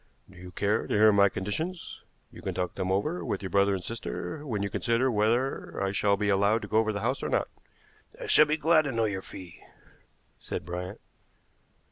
"Do you care to hear my conditions? You can talk them over with your brother and sister when you consider whether I shall be allowed to go over the house or not." "I shall be glad to know your fee," said Bryant.